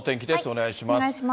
お願いします。